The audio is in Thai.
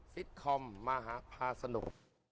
คอมมหาพาสนุก